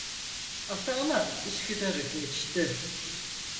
Atı alan Üsküdar'ı geçti.